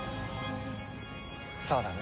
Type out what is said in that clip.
そうだね。